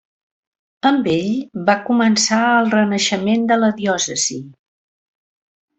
Amb ell va començar el Renaixement a la diòcesi.